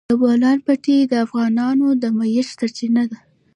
د بولان پټي د افغانانو د معیشت سرچینه ده.